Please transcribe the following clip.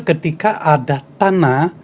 ketika ada tanah